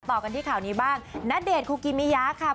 ต่อกันที่ข่าวนี้บ้างณเดชนคุกิมิยาค่ะ